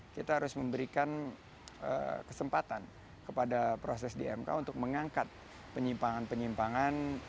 kita harus memberikan kesempatan kepada proses di mk untuk mengangkat penyimpangan penyimpangan